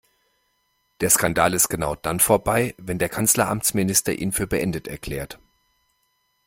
Der Skandal ist genau dann vorbei, wenn der Kanzleramtsminister ihn für beendet erklärt.